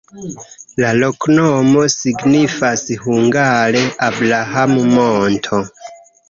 La loknomo signifas hungare: Abraham-monto.